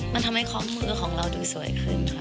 มันทำให้ข้อมือของเราดูสวยขึ้นค่ะ